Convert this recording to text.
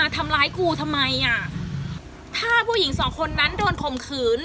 ทำร้ายกูทำไมอ่ะถ้าผู้หญิงสองคนนั้นโดนข่มขืน